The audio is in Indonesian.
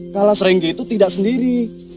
kalas ringgi itu tidak sendiri